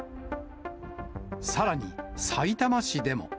さらに、さいたま市でも。